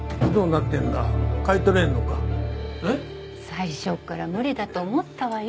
最初っから無理だと思ったわよ。